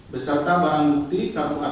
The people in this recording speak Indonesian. beserta barang bukti karbon atm